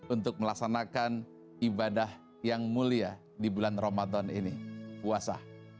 untuk melaksanakan ibadah yang mulia di bulan ramadan ini puasa